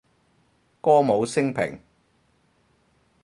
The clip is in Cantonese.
歌舞昇平